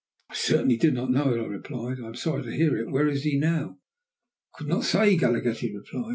"I certainly did not know it," I replied. "And I am sorry to hear it. Where is he now?" "I could not say," Galaghetti replied.